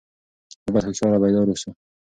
موږ باید هوښیار او بیدار اوسو.